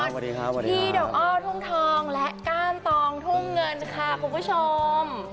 พี่ดอกอ้อทุ่มทองและกล้ามตองทุ่มเงินค่ะคุณผู้ชม